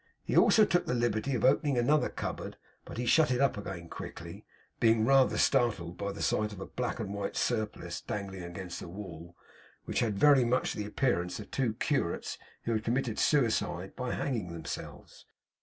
He also took the liberty of opening another cupboard; but he shut it up again quickly, being rather startled by the sight of a black and a white surplice dangling against the wall; which had very much the appearance of two curates who had committed suicide by hanging themselves.